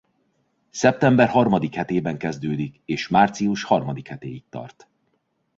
Szeptember harmadik hetében kezdődik és március harmadik hetéig tart.